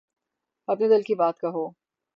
اپنے دل کی بات کہو۔